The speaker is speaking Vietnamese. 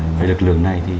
với lực lượng